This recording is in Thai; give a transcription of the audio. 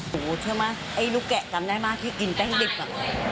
เชื่อไหมไอ้ลูกแกะจำได้มากที่กินแป้งดิบอ่ะ